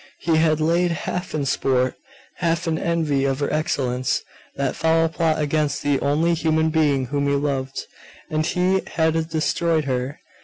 He had laid, half in sport, half in envy of her excellence, that foul plot against the only human being whom he loved.... and he had destroyed her!